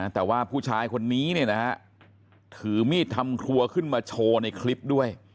แต่ว่าผู้ชายคนนี้ถือมีดทำครัวขึ้นมาโชว์ในคลิปด้วย